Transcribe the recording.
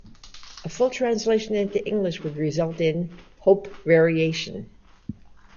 A full translation into English would result in "hope variation".